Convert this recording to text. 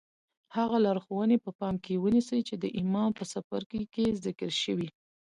هغه لارښوونې په پام کې ونيسئ چې د ايمان په څپرکي کې ذکر شوې.